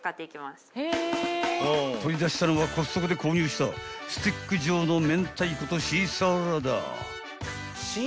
［取り出したのはコストコで購入したスティック状のめんたいことシーサラダ］